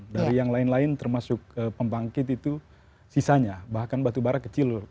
dari yang lain lain termasuk pembangkit itu sisanya bahkan batubara kecil loh